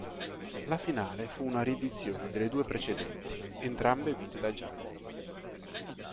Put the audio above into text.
La finale fu una riedizione delle due precedenti, entrambe vinte dai Giants.